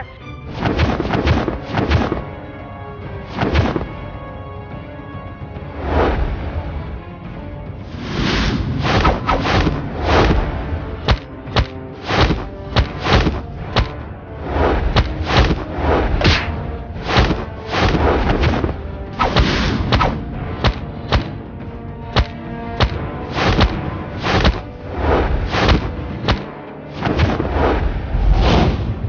kita akan menanggung kalian